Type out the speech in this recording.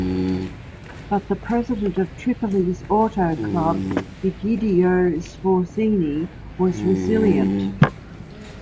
But the president of Tripoli's auto club, Egidio Sforzini, was resilient.